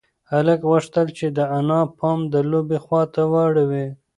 هلک غوښتل چې د انا پام د لوبې خواته واړوي.